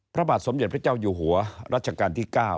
พระบาทสมเด็จพระเจ้าอยู่หัวรัชกาลที่๙